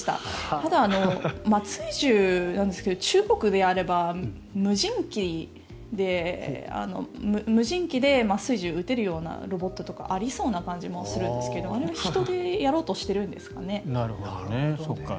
ただ、麻酔銃なんですが中国であれば無人機で麻酔銃を撃てるようなロボットとかありそうな気がするんですけどあれは人でやろうとしているんですかね？